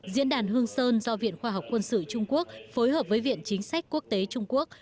diễn đàn hương sơn do viện khoa học quân sự trung quốc phối hợp với viện chính sách quốc tế trung quốc